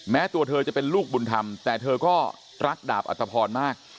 แม้ตัวเธอจะเป็นลูกบุญธรรมแต่เธอก็รักดาบอัตภพรมาก